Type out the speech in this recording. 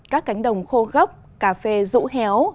các cánh đồng khô gốc cà phê rũ héo